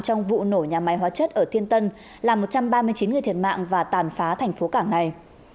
trong vụ nổ nhà máy hóa chất ở thiên tân làm một trăm ba mươi chín người thiệt mạng và tàn phá thành phố cảng này